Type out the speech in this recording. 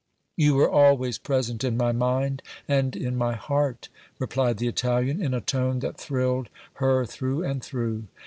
"You were always present in my mind and in my heart," replied the Italian in a tone that thrilled her through and through.